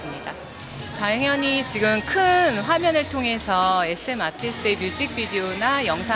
sejumlah penggemar pun menyambut antusias hadirnya kuangya di jakarta